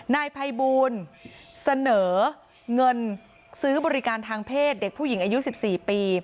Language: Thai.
นายภัยบูลเสนอเงินซื้อบริการทางเพศเด็กผู้หญิงอายุ๑๔ปี